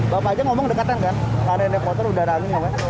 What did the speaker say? bapak aja ngomong dekatan kan karena ini kotor udara aneh